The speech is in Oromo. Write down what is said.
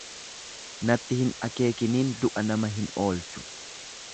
Natti hin akeekiniin du'a nama hin oolchu.